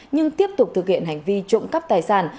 nhưng tiếp tục thực hiện hành vi trộm cắp tài sản